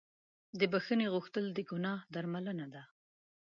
د بښنې غوښتل د ګناه درملنه ده.